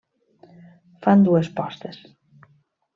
Fan dues postes.